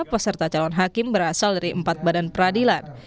peserta calon hakim berasal dari empat badan peradilan